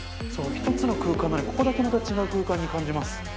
一つの空間がここだけまた違う空間に感じます。